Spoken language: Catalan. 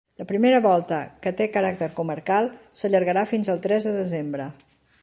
La primera volta, que té caràcter comarcal, s’allargarà fins al tres de desembre.